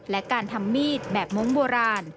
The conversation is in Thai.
และการทำมีดแบบมงค์โบราณ